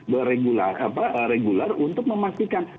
berregular untuk memastikan